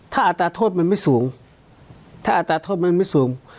ถ้าอัตราโทษมันไม่สูงถ้าอัตราโทษมันไม่สูง